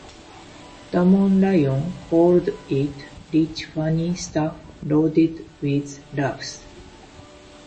Damon Runyon called it, Rich funny stuff, loaded with laughs.